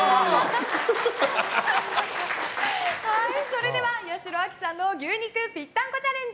それでは八代亜紀さんの牛肉ぴったんこチャレンジ